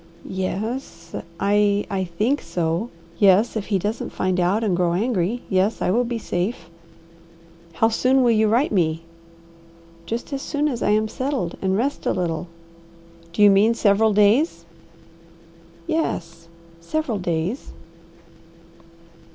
"Yes, I I think so. Yes, if he doesn't find out and grow angry. Yes, I will be safe." "How soon will you write me?" "Just as soon as I am settled and rest a little." "Do you mean several days?" "Yes, several days."